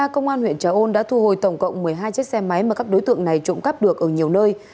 cộng một mươi hai chiếc xe máy mà các đối tượng này trộm cắp được ở nhiều nơi